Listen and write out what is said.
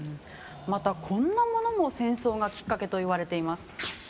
またこんなものも戦争がきっかけといわれています。